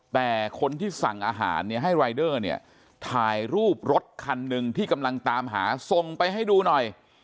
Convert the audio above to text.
แต่คนที่สั่งอาหารเนี่ยให้รายเดอร์เนี่ยถ่ายรูปรถคันหนึ่งที่กำลังตามหาส่งไปให้ดูหน่อย